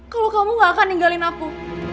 kalau kamu gak akan ninggalin aku